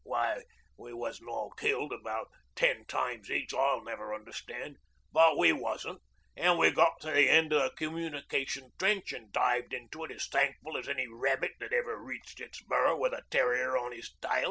Why we wasn't all killed about ten times each I'll never understand; but we wasn't, an' we got to the end o' the communication trench an' dived into it as thankful as any rabbit that ever reached 'is burrow with a terrier at 'is tail.